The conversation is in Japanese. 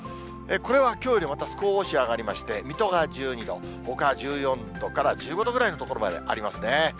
これはきょうよりまた少し上がりまして、水戸が１２度、ほかは１４度から１５度ぐらいの所までありますね。